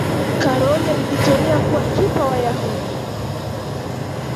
karol alijitolea kuwa kipa wa Wayahudi